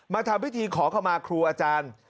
ทำพิธีขอขมาครูอาจารย์